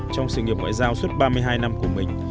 trong sự nghiệp ngoại giao suốt ba mươi hai năm của mình